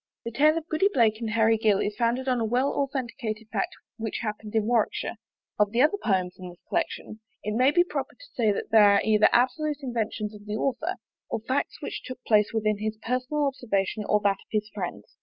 The tale of Goody Blake and Harry Gill is founded on a well authenticated fact which happened in Warwickshire. Of the other poems in the collection, it may be proper to say that they are either absolute inventions of the author, or facts which took place within his personal observation or that of his friends.